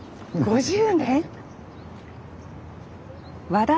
５０年？